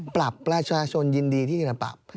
ปรับประชาชนยินดีที่จะปรับ